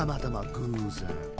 偶然。